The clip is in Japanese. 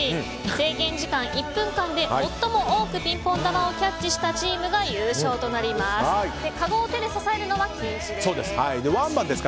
制限時間１分間で最も多くピンポン球をキャッチしたチームが優勝となります。